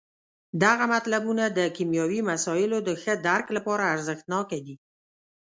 دغه مطلبونه د کیمیاوي مسایلو د ښه درک لپاره ارزښت ناکه دي.